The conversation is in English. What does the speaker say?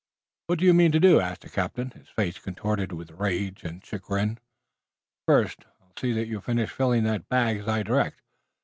"What do you mean to do?" asked the captain, his face contorted with rage and chagrin. "First, I'll see that you finish filling that bag as I direct.